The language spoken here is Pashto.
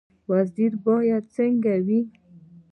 وزیر باید څنګه وي؟